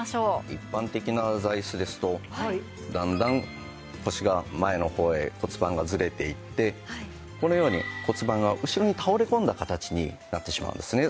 一般的な座椅子ですと段々腰が前の方へ骨盤がずれていってこのように骨盤が後ろに倒れ込んだ形になってしまうんですね。